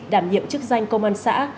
đảm nhiệm chức danh công an xã